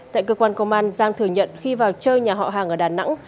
tại cơ quan công an giang thừa nhận khi vào chơi nhà họ hàng ở đà nẵng